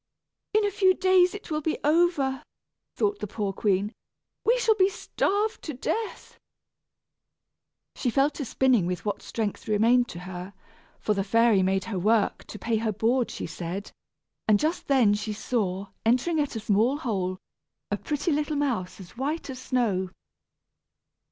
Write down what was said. "In a few days it will be over," thought the poor queen. "We shall be starved to death." She fell to spinning with what strength remained to her (for the fairy made her work, to pay her board, she said), and just then she saw, entering at a small hole, a pretty little mouse as white as snow.